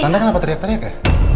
anda kenapa teriak teriak ya